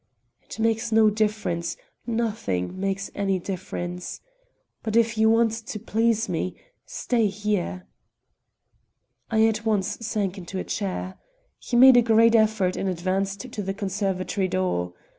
"It makes no difference; nothing makes any difference. But if you want to please me, stay here." I at once sank into a chair. He made a great effort and advanced to the conservatory door.